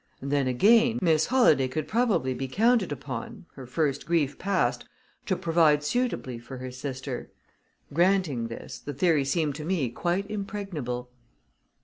And then, again, Miss Holladay could probably be counted upon, her first grief past, to provide suitably for her sister. Granting this, the theory seemed to me quite impregnable.